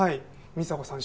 美沙子さん